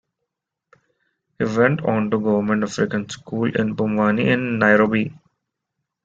He went on to Government African School, in Pumwani in Nairobi.